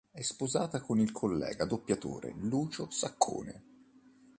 È sposata con il collega doppiatore Lucio Saccone.